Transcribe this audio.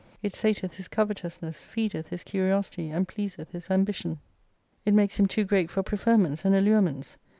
It sateth his covetousness, feedeth his curiosity and pleaseth his ambition. It makes him »5i too great for preferments and allurements.